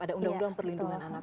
ada undang undang perlindungan anak